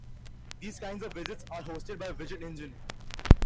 These kinds of widgets are hosted by a widget engine.